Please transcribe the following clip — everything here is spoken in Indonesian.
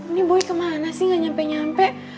ini boy kemana sih gak nyampe nyampe